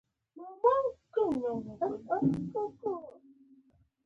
ایا خواړه خوندي دي او که نه